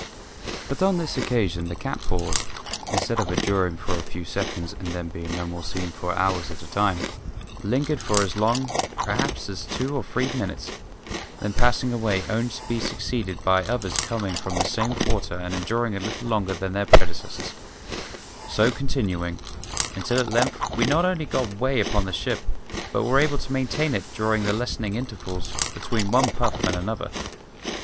But on this occasion the cats paws, instead of enduring for a few seconds and then being no more seen for hours at a time, lingered for as long, perhaps, as two or three minutes, then passing away only to be succeeded by others coming from the same quarter and enduring a little longer than their predecessors, so continuing until at length we not only got way upon the ship but were able to maintain it during the lessening intervals between one puff and another.